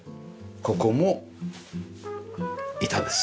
ここも板です。